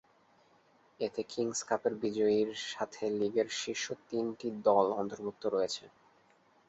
এতে কিংস কাপের বিজয়ীর সাথে লীগের শীর্ষ তিনটি দল অন্তর্ভুক্ত রয়েছে।